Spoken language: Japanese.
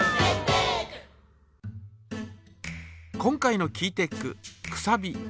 今回のキーテックくさび。